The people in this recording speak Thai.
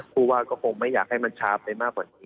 ผู้ว่าก็คงไม่อยากให้มันช้าไปมากกว่านี้